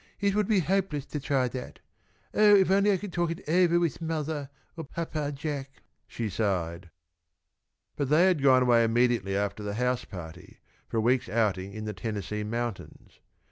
"It would be hopeless to try that. Oh, if I could only talk it ovah with mothah or Papa Jack!" she sighed. But they had gone away immediately after the house party, for a week's outing in the Tennessee mountains.